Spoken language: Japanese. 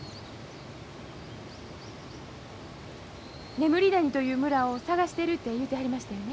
眠り谷という村を探してるって言うてはりましたよね？